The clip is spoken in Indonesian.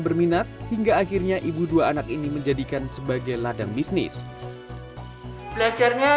berminat hingga akhirnya ibu dua anak ini menjadikan sebagai ladang bisnis belajarnya